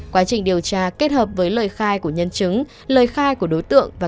quá trình điều tra kết hợp với lời khai của nhân chứng lời khai của đối tượng và